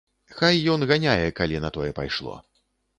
Хай ён ганяе, калі на тое пайшло.